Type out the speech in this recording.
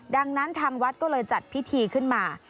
ดังนั้นทางวัดก็เลยจัดพิธีขึ้นมา